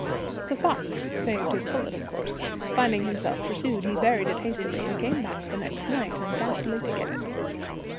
The fox saved his pullet, of course. Finding himself pursued, he buried it hastily, and came back the next night undoubtedly to get it.